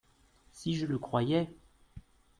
Si je le croyais !